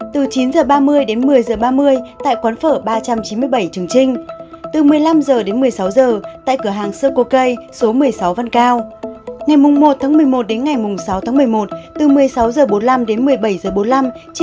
từ chín h ba mươi đến một mươi h ba mươi tại quán phở ba trăm chín mươi bảy trường trinh